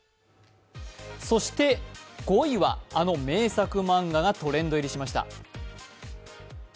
そして５位は、あの名作漫画がトレンド入りしました。